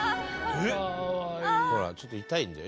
ほらちょっと痛いんだよ。